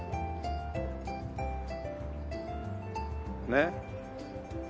ねっ。